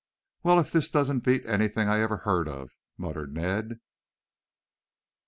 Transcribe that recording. "Well, if this doesn't beat anything I ever heard of," muttered Ned.